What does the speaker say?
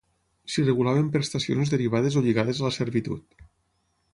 S'hi regulaven prestacions derivades o lligades a la servitud.